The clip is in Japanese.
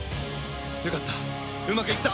よかったうまくいった！